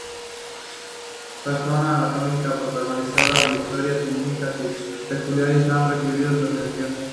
Personas anónimas, protagonistas de historias mínimas y peculiares, han recibido su atención.